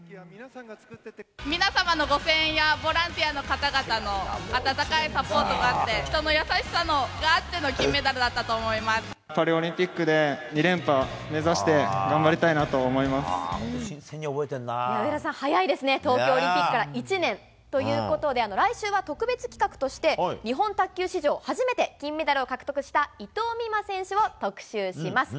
皆様のご声援やボランティアの方々の温かいサポートがあって、人の優しさがあっての金メダルだパリオリンピックで２連覇目上田さん、早いですね、東京オリンピックから１年ということで、来週は特別企画として、日本卓球史上初めて金メダルを獲得した、伊藤美誠選手を特集します。